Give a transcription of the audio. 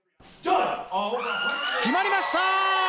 決まりました！